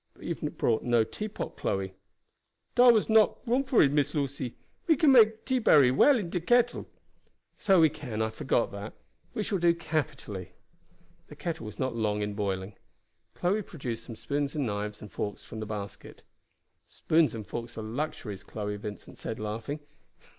"But you have brought no teapot, Chloe." "Dar was not no room for it, Miss Lucy. We can make tea berry well in de kettle." "So we can. I forgot that. We shall do capitally." The kettle was not long in boiling. Chloe produced some spoons and knives and forks from the basket. "Spoons and forks are luxuries, Chloe," Vincent said laughing.